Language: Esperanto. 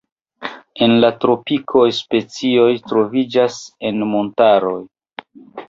En la tropikoj specioj troviĝas en montaroj.